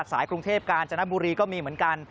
สายกรุงเทพกาญจนบุรีก็มีเหมือนกัน